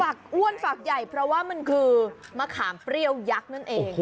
อ้วนฝักใหญ่เพราะว่ามันคือมะขามเปรี้ยวยักษ์นั่นเอง